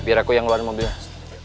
biar aku yang ngeluarin mobilnya